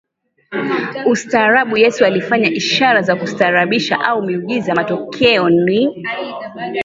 ustaarabuYesu alifanya ishara za kustaajabisha au miujiza Matokeo ni